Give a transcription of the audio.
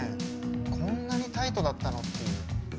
こんなにタイトだったの？っていう。